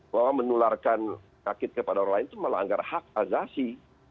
bahwa menularkan sakit kepada orang lain itu melanggar hak azasi